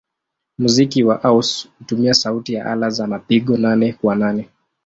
Muziki wa house hutumia sauti ya ala za mapigo nane-kwa-nane.